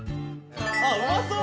あっうまそう！